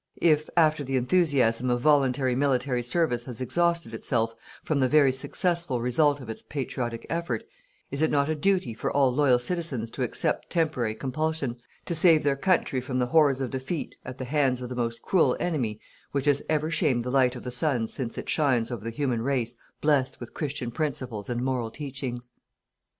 If after the enthusiasm of voluntary military service has exhausted itself from the very successful result of its patriotic effort, is it not a duty for all loyal citizens to accept temporary compulsion, to save their country from the horrors of defeat at the hands of the most cruel enemy which has ever shamed the light of the sun since it shines over the Human race blessed with Christian principles and moral teachings.